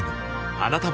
あなたも